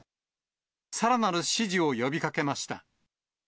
さらなる支持を呼びかけました。